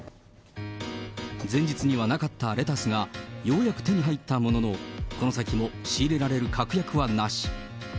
前日にはなかったレタスがようやく手に入ったものの、この先も仕入れられる確約はなし。